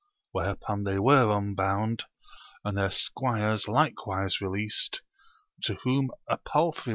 Whereupon they were unbound, and their squires likewise released, to whom a palfrey